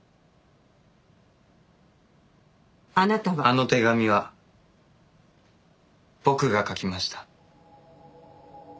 あの手紙は僕が書きました。